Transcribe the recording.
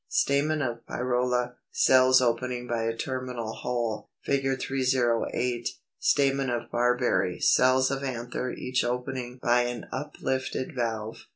Stamen of Pyrola; cells opening by a terminal hole.] [Illustration: Fig. 308. Stamen of Barberry; cells of anther each opening by an uplifted valve.